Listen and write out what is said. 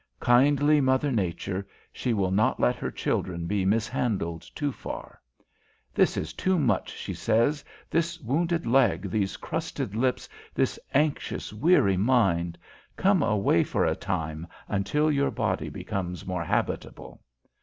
Kindly mother Nature! she will not let her children be mishandled too far. "This is too much," she says; "this wounded leg, these crusted lips, this anxious, weary mind. Come away for a time, until your body becomes more habitable."